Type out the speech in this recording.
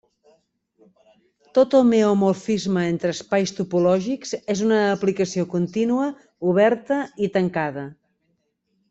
Tot homeomorfisme entre espais topològics és una aplicació contínua, oberta i tancada.